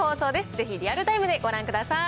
ぜひ、リアルタイムでご覧ください。